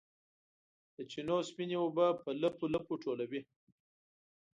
د چینو سپینې اوبه په لپو، لپو ټولوي